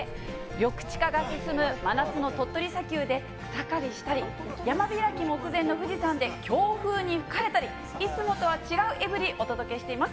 緑地化が進む真夏の鳥取砂丘で草刈りしたり、山開き目前の富士山で強風に吹かれたり、いつもとは違うエブリィ、お届けしています。